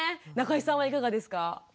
中井さんはいかがですか？